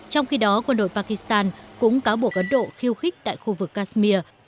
trong khi đó quân đội pakistan cũng cáo buộc ấn độ khiêu khích tại khu vực kashmir